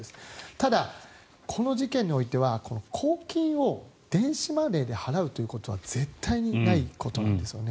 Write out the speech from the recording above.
ただ、この事件においては公金を電子マネーで払うことは絶対にないことなんですよね。